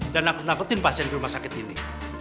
dan nakutin pasien rumah sakit ini